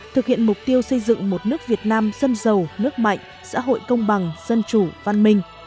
thực hiện mục tiêu xây dựng một nước việt nam dân giàu nước mạnh xã hội công bằng dân chủ văn minh